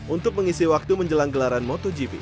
untuk mengisi waktu menjelang gelaran motogp